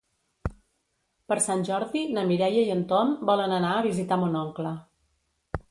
Per Sant Jordi na Mireia i en Tom volen anar a visitar mon oncle.